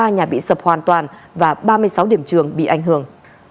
một mươi ba nhà bị sập hoàn toàn và ba mươi sáu điểm trường bị ảnh hưởng